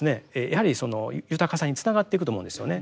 やはり豊かさにつながっていくと思うんですよね。